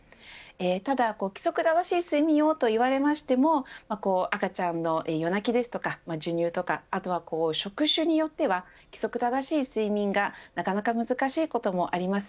ただ、規則正しい睡眠をと言われましても赤ちゃんの夜泣きですとか授乳とかあとは職種によっては規則正しい睡眠がなかなか難しいこともあります。